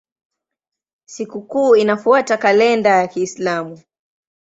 Sikukuu inafuata kalenda ya Kiislamu.